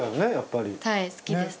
はい好きです。